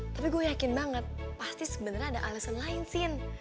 tapi gue yakin banget pasti sebenarnya ada alasan lain sih